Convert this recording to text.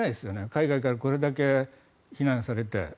海外からこれだけ非難されて。